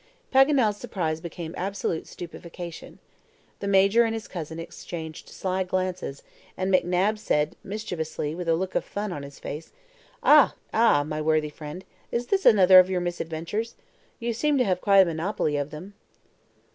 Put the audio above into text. Paganel's surprise became absolute stupefaction. The Major and his cousin exchanged sly glances, and McNabbs said, mischievously, with a look of fun on his face, "Ah, ah, my worthy friend; is this another of your misadventures? You seem to have quite a monopoly of them."